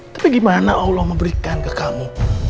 tapi gimana allah memberikan ke kamu